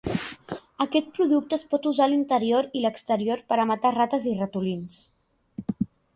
Aquest producte es pot usar a l'interior i l'exterior per a matar rates i ratolins.